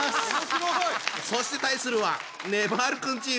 そして対するはねばる君チーム。